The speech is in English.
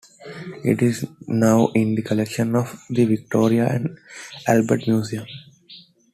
It is now in the collection of the Victoria and Albert Museum.